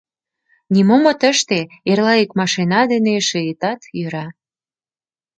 Нимом от ыште — эрла ик машина дене шийытат, йӧра.